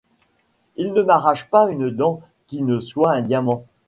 Il ne m’arrache pas une dent qui ne soit un diamant.